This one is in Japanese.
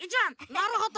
なるほど。